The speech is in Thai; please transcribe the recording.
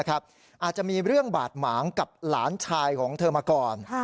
อาจจะมีเรื่องบาดหมางกับหลานชายของเธอมาก่อน